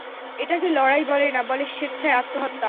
এটাকে লড়াই বলে না, বলে স্বেচ্ছায় আত্মহত্যা!